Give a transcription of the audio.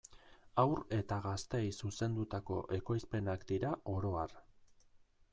Haur eta gazteei zuzendutako ekoizpenak dira oro har.